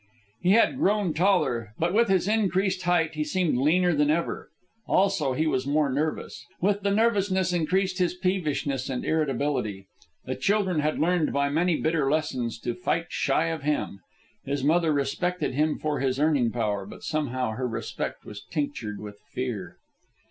He had grown taller; but with his increased height he seemed leaner than ever. Also, he was more nervous. With the nervousness increased his peevishness and irritability. The children had learned by many bitter lessons to fight shy of him. His mother respected him for his earning power, but somehow her respect was tinctured with fear.